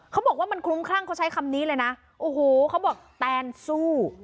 เขาบอกว่ามันคลุ้มคลั่งเขาใช้คำนี้เลยนะโอ้โหเขาบอกแตนสู้